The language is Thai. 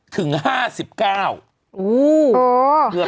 ถึง๕๕ถึง๕๙